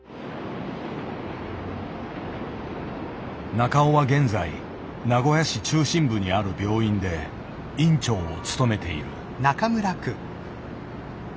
中尾は現在名古屋市中心部にある病院で院長を務めている。